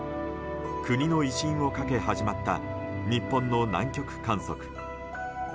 国の威信をかけ、始まった日本の南極観測。